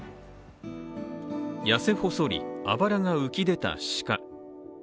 痩せ細り、あばらが浮き出た鹿。